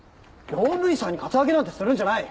用務員さんにカツアゲなんてするんじゃない。